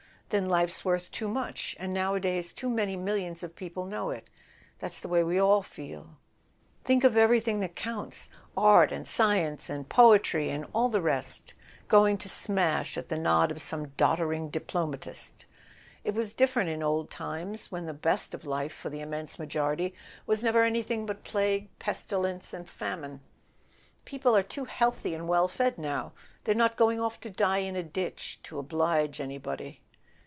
Then life's worth too much, and nowadays too many millions of people know it. That's the way we all feel. A SON AT THE FRONT Think of everything that counts—art and science and poetry, and all the rest—going to smash at the nod of some doddering diplomatist! It was different in old times, when the best of life, for the immense majority, was never anything but plague, pestilence and famine. People are too healthy and well fed now; they're not going off to die in a ditch to oblige anybody."